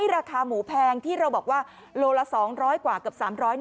ราคาหมูแพงที่เราบอกว่าโลละ๒๐๐กว่าเกือบ๓๐๐บาท